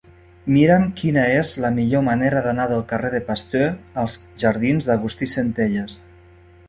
Mira'm quina és la millor manera d'anar del carrer de Pasteur als jardins d'Agustí Centelles.